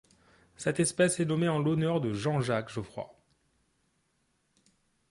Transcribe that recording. Cette espèce est nommée en l'honneur de Jean-Jacques Geoffroy.